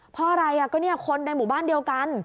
เพราะอะไรก็เนี่ยคนในหมู่บ้านเดียวกัน